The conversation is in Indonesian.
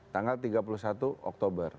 tanggal tiga puluh satu oktober